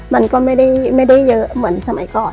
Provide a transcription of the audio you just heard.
มันก็ไม่ได้เยอะเหมือนสมัยก่อน